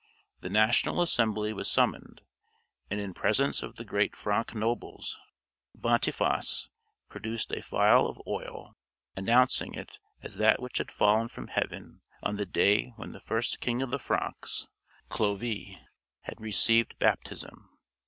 The national assembly was summoned; and in presence of the great Frank nobles Boniface produced a phial of oil, announcing it as that which had fallen from heaven on the day when the first king of the Franks (Clovis) had received baptism.